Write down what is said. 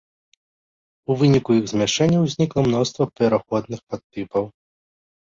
У выніку іх змяшэння ўзнікла мноства пераходных падтыпаў.